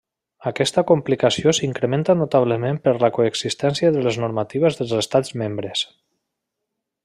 Aquesta complicació s'incrementa notablement per la coexistència de les normatives dels estats membres.